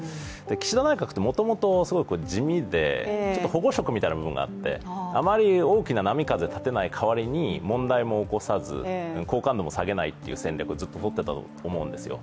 岸田内閣ってもともとすごく自身で保護色みたいなところがあってあまり大きな波風立てない代わりに問題も起こさず好感度も下げないという戦略をずっととっていたと思うんですよ。